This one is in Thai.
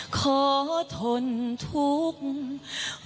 ขอทนทุกข์รุกรอง